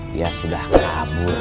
dia sudah kabur komar